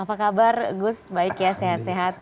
apa kabar gus baik ya sehat sehat